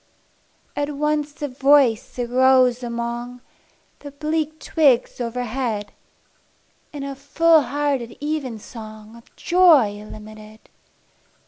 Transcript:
At once a voice arose among The bleak twigs overhead, In a full hearted evensong Of joy illimited.